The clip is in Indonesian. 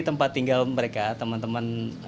pemuda ini tinggal bersama ibu dan dua anaknya